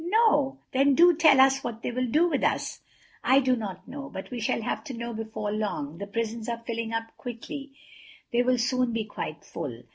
"No." "Then do tell us what they will do with us." "I do not know. But we shall have to know before long. The prisons are filling up quickly—they will soon be quite full.